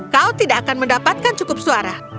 kau tidak akan mendapatkan cukup suara